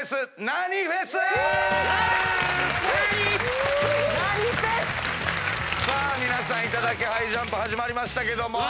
何⁉さあ皆さん『いただきハイジャンプ』始まりましたけども。